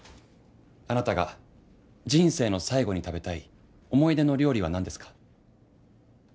「あなたが人生の最後に食べたい思い出の料理は何ですか？」。